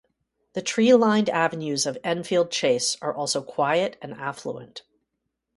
The tree-lined avenues of Enfield Chase are also quiet and affluent.